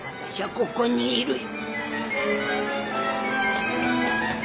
ここにいるよ。